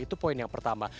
itu poin yang pertama